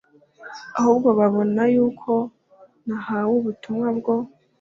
ahubwo babona yuko nahawe ubutumwa bwo